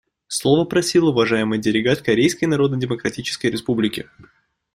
Слова просил уважаемый делегат Корейской Народно-Демократической Республики.